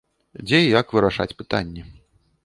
Дзе і як вырашаць пытанні.